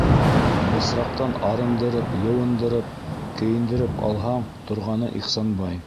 Бысраҡтан арындырып, йыуындырып, кейендереп алһаң - торғаны Ихсанбай.